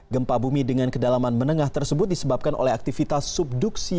gempa bumi dengan kedalaman menengah tersebut disebabkan oleh aktivitas subduksi